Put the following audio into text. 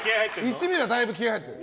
１ｍｍはだいぶ気合入ってる。